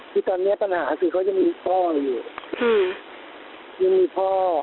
คือตอนนี้ปัญหาคือเขายังมีพ่ออยู่ยังมีพ่อ